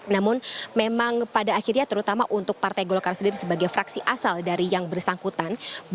namun memang pada akhirnya terutama untuk partai golkar sendiri sebagai fraksi asal dari yang bersangkutan